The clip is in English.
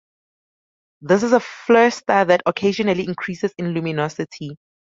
This is a flare star that occasionally increases in luminosity.